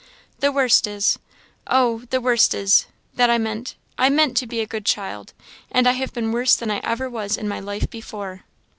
"The worst is, oh! the worst is, that I meant I meant to be a good child, and I have been worse than ever I was in my life before."